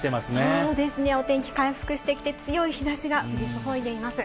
そうですね、お天気、回復してきて、強い日差しが降り注いでいます。